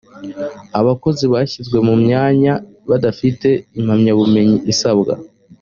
abakozi bashyizwe mu myanya badafite impamyabumenyi isabwa